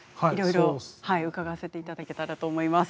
伺わせていただけたらと思います。